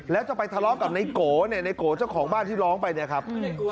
แล้วจะไปทะเลาะกับนายโกะนี่นายโกะเจ้าของบ้านที่ร้องไปนะครับ